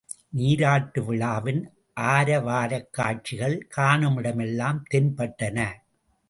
நீராட்டு விழாவின் ஆரவாரக் காட்சிகள் காணுமிட மெல்லாம் தென்பட்டன.